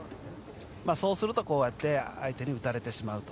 そうすると、こうやって相手に打たれてしまうと。